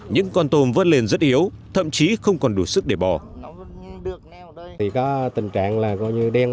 những con tôm vớt lên rất yếu thậm chí không còn đủ sức để bỏ